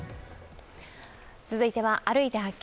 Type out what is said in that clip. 続いては「歩いて発見！